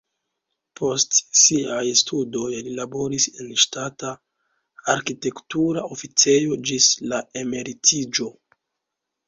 Post siaj studoj li laboris en ŝtata arkitektura oficejo ĝis la emeritiĝo.